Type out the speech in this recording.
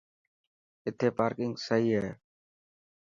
اٿي پارڪنگ سهي هي.